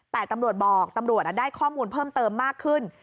แต่ตำรวจบอกตำรวจได้ข้อมูลเพิ่มเติมมากขึ้น